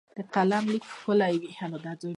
د قلم لیک ښکلی وي.